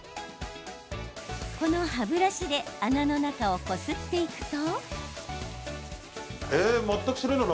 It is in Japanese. この歯ブラシで穴の中をこすっていくと。